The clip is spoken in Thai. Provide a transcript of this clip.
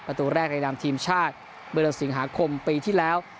ประตูแรกในนำทีมชาติเมื่อจากสิงหาคมปีที่แล้ว